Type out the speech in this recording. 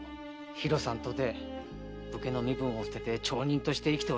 ひろさんとて武家の身分を捨てて町人として生きておられる。